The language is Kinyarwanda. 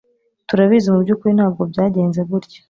Turabizi mubyukuri ntabwo byagenze gutya.